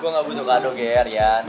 gue nggak butuh kado ya rian